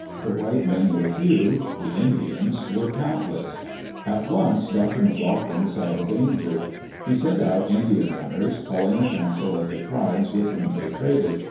The white men were few; the Indians were countless. At once Dr. M.cLoughlin saw the danger. He sent out Indian runners, calling a council of the tribes with whom they traded.